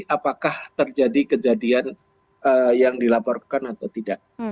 apakah terjadi kejadian yang dilaporkan atau tidak